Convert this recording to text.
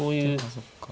そっか。